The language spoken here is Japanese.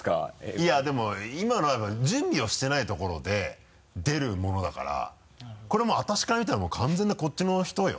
いやでも今のはやっぱり準備をしてないところで出るものだからこれもう私から見たらもう完全なこっちの人よ。